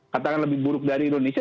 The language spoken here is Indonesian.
katakan lebih buruk dari indonesia